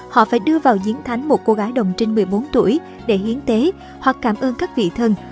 họ phải đưa vào diến thánh một cô gái đồng trinh một mươi bốn tuổi để hiến tế hoặc cảm ơn các vị thần